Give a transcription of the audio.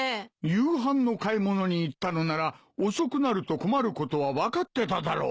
夕飯の買い物に行ったのなら遅くなると困ることは分かってただろ。